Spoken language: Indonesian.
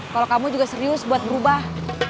kalau kamu juga serius buat berubah